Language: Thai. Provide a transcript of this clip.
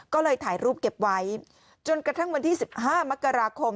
ก็เลยถ่ายรูปเก็บไว้จนกระทั่งวันที่๑๕มกราคม